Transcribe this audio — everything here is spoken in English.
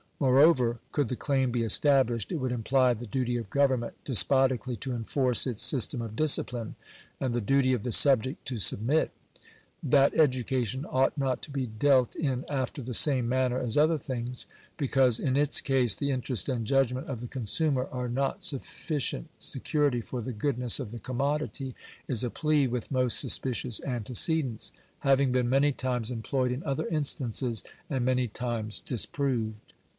Moreover, could the claim be established, it would imply the duty of government despotically to enforce its system of discipline, and the duty of the subject to submit. That education ought not to be dealt in after the same manner as other things, because in its case " the interest and judgment of the consumer are not sufficient security for the goodness of the commodity," is a plea with most suspicious antecedents; having been many times employed in other instances, and many times disproved.